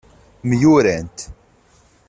Myurant.